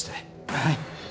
はい。